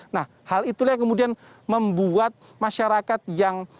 nah hal itulah yang kemudian membuat masyarakat yang